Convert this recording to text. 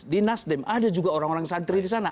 di nasdem ada juga orang orang santri di sana